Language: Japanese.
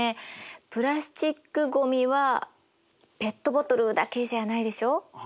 プラスチックごみはペットボトルだけじゃないでしょう？